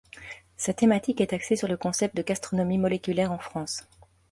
Sa thématique est axée sur le concept de gastronomie moléculaire en France.